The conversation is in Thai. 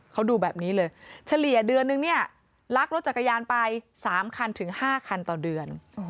เขาดูแบบนี้เลยเฉลี่ยเดือนนึงเนี่ยลักรถจักรยานไป๓คันถึง๕คันต่อเดือน